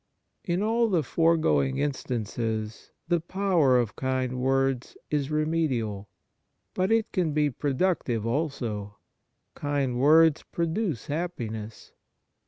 In all the foregoing instances the power of kind words is remedial. But it can be productive also ; kind words produce happi ness.